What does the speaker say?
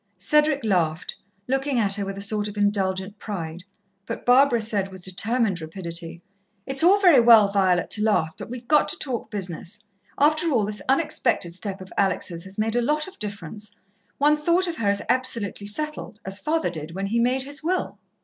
Cedric laughed, looking at her with a sort of indulgent pride, but Barbara said with determined rapidity: "It's all very well, Violet, to laugh, but we've got to talk business. After all, this unexpected step of Alex' has made a lot of difference. One thought of her as absolutely settled as father did, when he made his will."